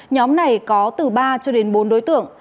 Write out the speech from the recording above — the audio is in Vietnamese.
nhóm này có từ ba cho đến bốn đối tượng